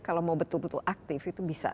kalau mau betul betul aktif itu bisa